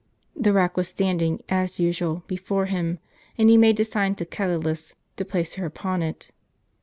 The rack was standing, as usual, before him ; and he made a sign to Catulus to place her upon it.